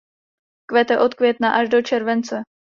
Kvete od května až do července.